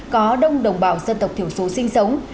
có đông đồng bào dân tộc thiểu số sinh sống